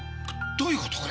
どういう事？